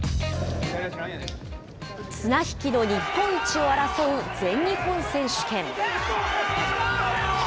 綱引きの日本一を争う全日本選手権。